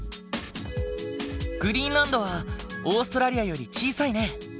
グリーンランドはオーストラリアより小さいね。